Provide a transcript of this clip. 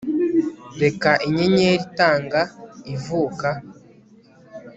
Reka inyenyeri itanga ivuka